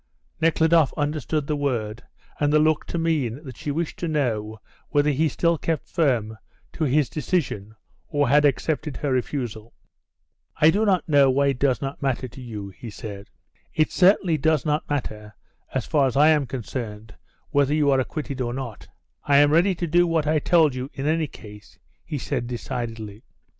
Nekhludoff understood the word and the look to mean that she wished to know whether he still kept firm to his decision or had accepted her refusal. "I do not know why it does not matter to you," he said. "It certainly does not matter as far as I am concerned whether you are acquitted or not. I am ready to do what I told you in any case," he said decidedly.